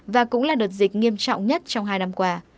và cũng là đợt dịch nghiêm trọng nhất trong hai năm qua